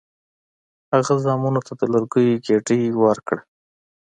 هغه زامنو ته د لرګیو ګېډۍ ورکړه.